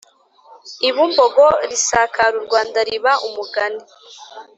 i Bumbogo risakara u Rwanda riba umugani.